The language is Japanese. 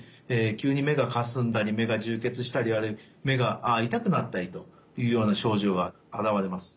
急に目がかすんだり目が充血したりあるいは目が痛くなったりというような症状が現れます。